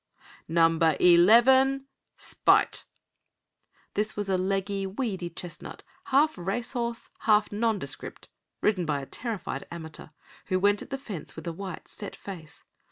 "Number Eleven, Spite!" This was a leggy, weedy chestnut, half racehorse, half nondescript, ridden by a terrified amateur, who went at the fence with a white, set face.